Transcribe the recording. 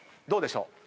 どうでしょう？